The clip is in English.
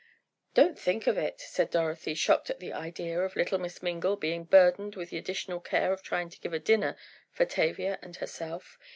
"Don't think of it," said Dorothy, shocked at the idea of little Miss Mingle being burdened with the additional care of trying to give a dinner for Tavia and herself.